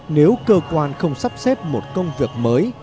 nếu cơ quan không sắp xếp một công việc mới